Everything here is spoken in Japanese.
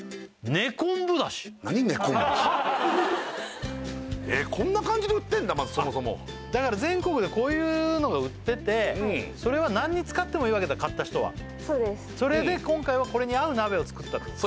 根昆布だしへえこんな感じで売ってんだそもそもだから全国でこういうのが売っててそれは何に使ってもいいわけだ買った人はそうですそれで今回はこれに合う鍋を作ったってこと？